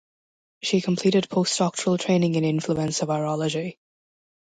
She completed postdoctoral training in influenza virology.